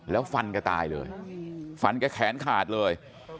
แล้วฟันแกตายเลยฟันแกแขนขาดเลย